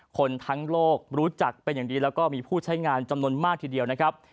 คนทั้งโลกรู้จักเป็นอย่างดีแล้วก็มีผู้ใช้งานจำนวนมากทีเดียวนะครับ